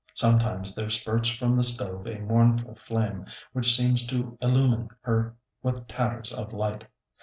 Sometimes there spurts from the stove a mournful flame, which seems to illumine her with tatters of light.